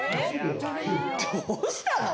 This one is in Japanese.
どうしたの？